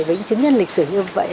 với những chứng nhận lịch sử như vậy